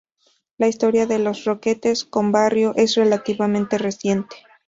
La historia de Les Roquetes, como barrio, es relativamente reciente.